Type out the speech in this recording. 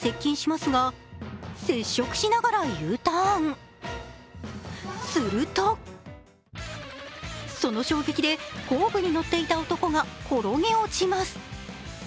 するとするとその衝撃で後部に乗っていた男が転げ落ちます。